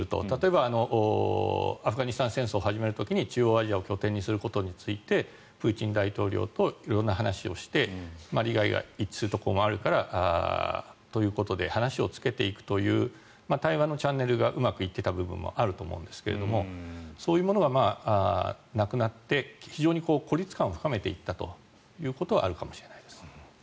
例えば、アフガニスタン戦争を始める時に中央アジアを拠点にすることについてプーチン大統領と色んな話をして利害が一致するところもあるからということで話をつけていくという対話のチャンネルがうまくいっていた部分があると思うんですけどもそういうものはなくなって非常に孤立感を深めていったことはあるかもしれないです。